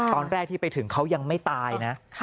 ตอนแรกที่ไปถึงเขายังไม่ตายนะ